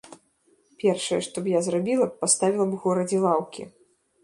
Першае, што б я зрабіла, паставіла б у горадзе лаўкі!